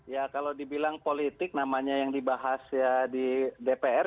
ya kalau dibilang politik namanya yang dibahas ya di dpr